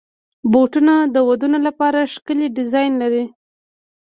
بوټونه د ودونو لپاره ښکلي ډیزاین لري.